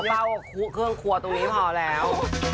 ไม่ต้องหัวเป้าเครื่องคัวตรงนี้พอแล้ว